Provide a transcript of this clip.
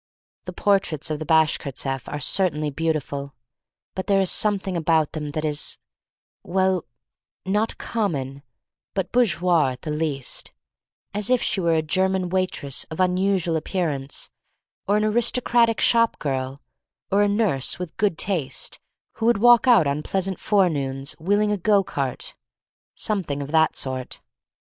The portraits of the Bashkirtseff are certainly beautiful, but there is some thing about them that is — well, not com mon, but bourgeois: at least, as if she were a German waitress of unusual ap pearance, or an aristocratic shop girl, or a nurse with good taste who would walk out on pleasant 'forenoons wheel ing a go cart — something of that sort.